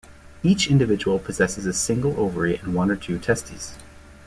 Each individual possesses a single ovary and one or two testes.